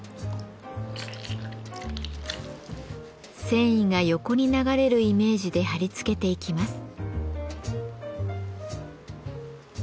繊維が横に流れるイメージで貼り付けていきます。